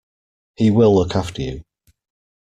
He will look after you.